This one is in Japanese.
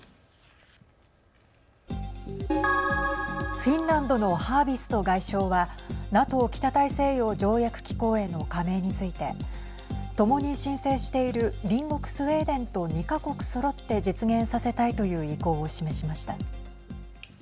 フィンランドのハービスト外相はＮＡＴＯ＝北大西洋条約機構への加盟についてともに申請している隣国スウェーデンと２か国そろって実現させたいという意向を示しました。